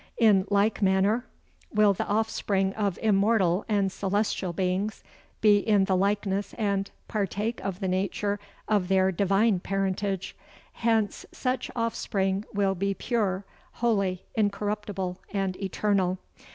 In like manner, will the offspring of immortal and celestial beings, be in the likeness and partake of the nature of their divine parentage. Hence, such offspring will be pure, holy, incorruptible and eternal.